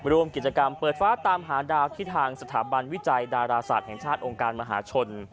รวมกิจกรรมเปิดฟ้าตามหาดาวที่ทางสถาบันวิจัยดาราศาสตร์แห่งชาติองค์การมหาชน